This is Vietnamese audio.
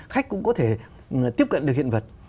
khách cũng có thể tiếp cận được hiện vật